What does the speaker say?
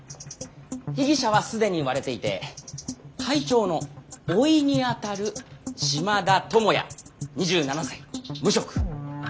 被疑者は既に割れていて会長の甥にあたる島田友也２７歳無職。